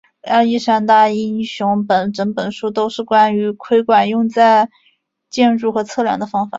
亚历山大英雄整本书都是关于窥管用在建筑和测量的方法。